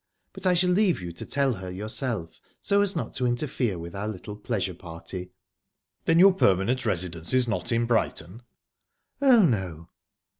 But I shall leave you to tell her yourself, so as not to interfere with our little pleasure party." "Then your permanent residence is not in Brighton?" "Oh, no."